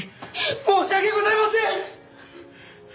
申し訳ございません！